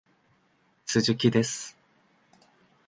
鈴木です